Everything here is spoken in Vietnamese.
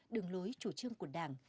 đường lối chủ trương của đảng